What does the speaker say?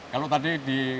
kalau tadi di